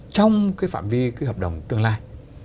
trong cái phạm vi cái hợp đồng tương lai